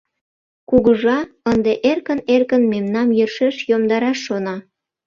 Кугыжа ынде эркын-эркын мемнам йӧршеш йомдараш шона.